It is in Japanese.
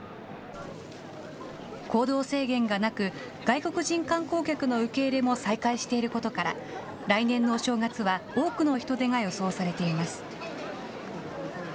行動制限がなく、外国人観光客の受け入れも再開していることから、来年のお正月は多くの人出が予想されています。